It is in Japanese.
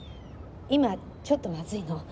今ちょっとまずいの。